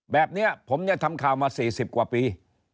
แบบนี้ผมทำข่าวมา๔๐กว่าปี